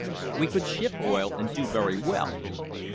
"We could ship oil and do very well."